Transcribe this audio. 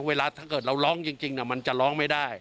เวลาถ้าเกิดเราร้องจริงมันจะร้องไม่ได้